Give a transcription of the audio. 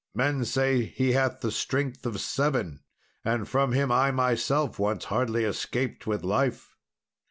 Men say he hath the strength of seven; and from him I myself once hardly escaped with life."